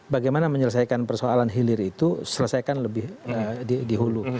bagaimana menyelesaikan persoalan hilir itu selesaikan lebih dihulu